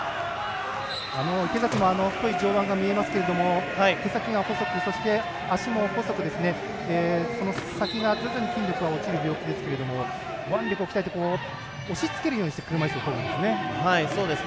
池崎も太い上腕が見えますけど手先が細く、足も細くその先が徐々に筋力が落ちる病気ですけども腕力を鍛えて押し付けるようにして車いすをこぐんですね。